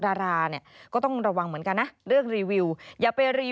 ยอมรับว่าการตรวจสอบเพียงเลขอยไม่สามารถทราบได้ว่าเป็นผลิตภัณฑ์ปลอม